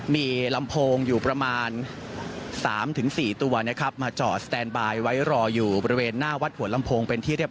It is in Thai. มีลำโพงอยู่ประมาณ